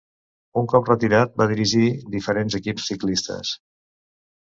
Un cop retirat va dirigir diferents equips ciclistes.